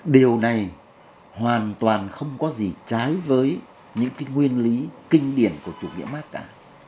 điều này hoàn toàn không có gì trái với những nguyên lý kinh điển của chủ nghĩa mát cả